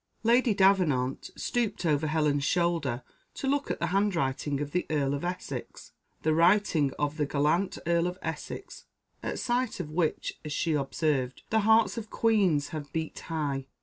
Lady Davenant stooped over Helen's shoulder to look at the handwriting of the Earl of Essex the writing of the gallant Earl of Essex, at sight of which, as she observed, the hearts of queens have beat high.